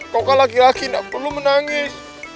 kau kan laki laki tidak perlu menangis